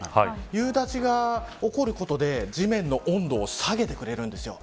夕立が起こることで、地面の温度を下げてくれるんですよ。